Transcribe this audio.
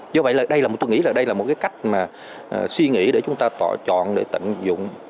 vì vậy tôi nghĩ là đây là một cái cách mà suy nghĩ để chúng ta tự chọn để tận dụng